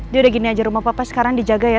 dia udah gini aja rumah papa sekarang dijaga ya